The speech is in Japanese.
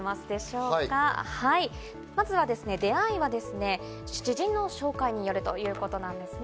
まずは、出会いは知人の紹介によるということなんですね。